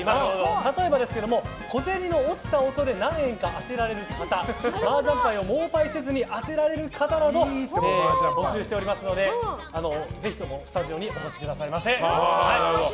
例えば、小銭の落ちた音で何円か当てられる方マージャンパイを盲パイせずに当てられる方など募集しておりますのでぜひともスタジオにお越しくださいませ。